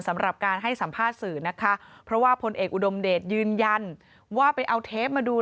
สำหรับการให้สัมภาษณ์สื่อนะคะเพราะว่าพลเอกอุดมเดชยืนยันว่าไปเอาเทปมาดู